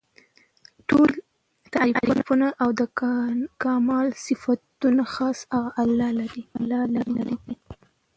ټول تعريفونه او د کمال صفتونه خاص هغه الله لره دي